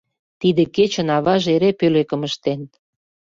Тиде кечын аваже эре пӧлекым ыштен.